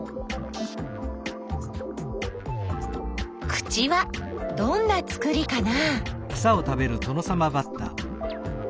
口はどんなつくりかな？